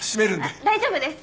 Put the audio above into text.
あっ大丈夫です。